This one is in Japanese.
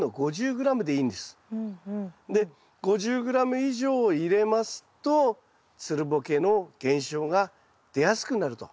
で５０ｇ以上入れますとつるボケの現象が出やすくなると。